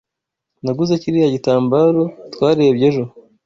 Naguze kiriya gitambaro twarebye ejo.